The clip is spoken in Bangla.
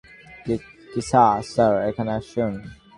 কিছা স্যার, এখানে আসুন।